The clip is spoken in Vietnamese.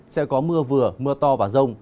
sẽ có mưa vừa mưa to và rồng